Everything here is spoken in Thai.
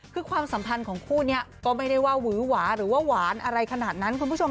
คือความสัมพันธ์ของคู่นี้ก็ไม่ได้ว่าหวือหวาหรือว่าหวานอะไรขนาดนั้นคุณผู้ชม